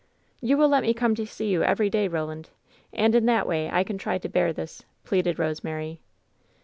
"You will let me come to see you every day, Roland, and in that way I can try to bear this," pleaded Rose mary.